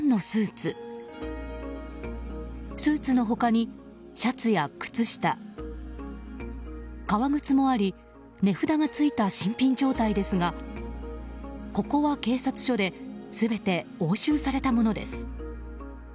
スーツの他にシャツや靴下、革靴もあり値札が付いた新品状態ですがここは警察署で全て押収されたものです。